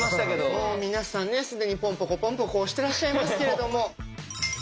もう皆さんね既にポンポコポンポコ押してらっしゃいますけれども。